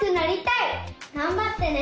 がんばってね！